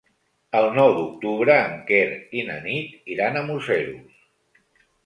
El nou d'octubre en Quer i na Nit iran a Museros.